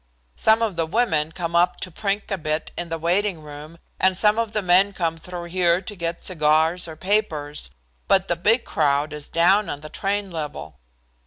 Some of the women come up to prink a bit in the waiting room, and some of the men come through here to get cigars or papers, but the big crowd is down on the train level."